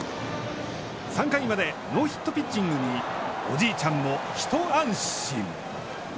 ３回までノーヒットピッチングに、おじいちゃんも一安心。